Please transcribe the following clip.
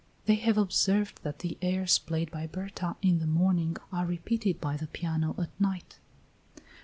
They have observed that the airs played by Berta in the morning are repeated by the piano at night.